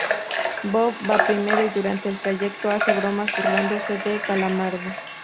Bob va primero, y durante el trayecto hace bromas, burlándose de Calamardo.